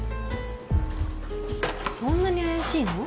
そんなに怪しいの？